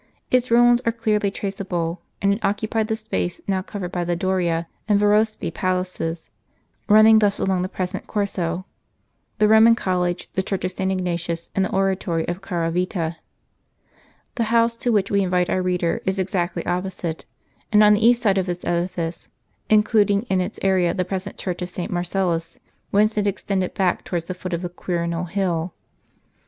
Its ruins are clearly traceable; and it occupied the space now covered by the Doria and Yerospi palaces (run ning thus along the present Corso), the Roman College, the Church of St. Ignatius, and the Oratory of the Caravita. The house to which we invite our reader is exactly oppo site, and on the east side of this edifice, including in its area the present church of St. Marcellus, whence it extended back towards the foot of the Quirinal hill.